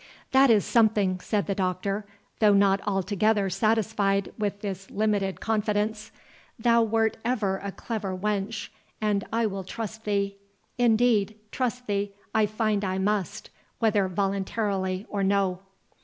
"That is something," said the Doctor, though not altogether satisfied with this limited confidence. "Thou wert ever a clever wench, and I will trust thee; indeed, trust thee I find I must, whether voluntarily or no."